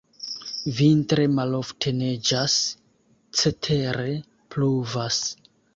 Vintre malofte neĝas, cetere pluvas.